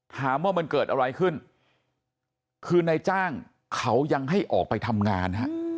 ถามว่ามันเกิดอะไรขึ้นคือนายจ้างเขายังให้ออกไปทำงานฮะ